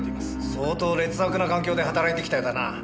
相当劣悪な環境で働いてきたようだな。